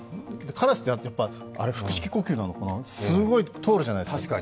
カラスって腹式呼吸なのかな、すごい通るじゃないですか。